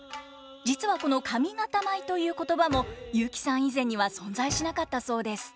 実はこの上方舞という言葉も雄輝さん以前には存在しなかったそうです。